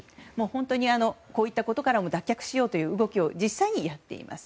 本当にこういったことからも脱却しようという動きを実際にやっています。